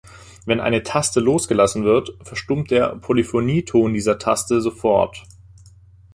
Wenn eine Taste losgelassen wird, verstummt der Polyphonieton dieser Taste sofort.